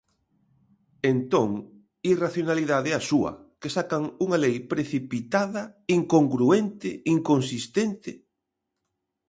Entón, irracionalidade a súa, que sacan unha lei precipitada, incongruente, inconsistente.